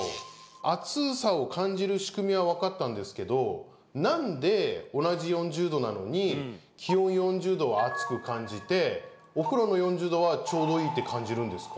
暑さを感じる仕組みは分かったんですけど気温４０℃は暑く感じてお風呂の４０℃はちょうどいいって感じるんですか？